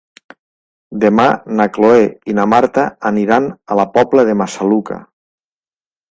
Demà na Cloè i na Marta aniran a la Pobla de Massaluca.